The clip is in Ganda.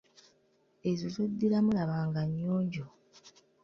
Ezo zoddiramu laba nga nnyonjo.